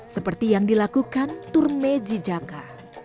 seperti yang dilakukan turme zijaka